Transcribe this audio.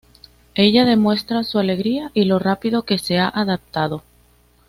Ella demuestra su alegría y lo rápido que se ha adaptado.